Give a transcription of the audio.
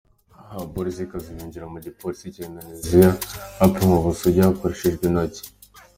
Abapolisikazi binjira mu gipolisi cya Indonesia bapimwa ubusugi hakoreshejwe intoki.